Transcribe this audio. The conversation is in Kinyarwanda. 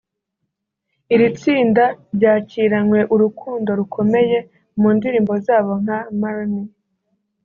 Iri tsinda ryakiranywe urukundo rukomeye mu ndirimbo zabo nka ‘Marry Me’